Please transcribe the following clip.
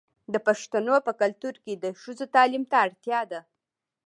د پښتنو په کلتور کې د ښځو تعلیم ته اړتیا ده.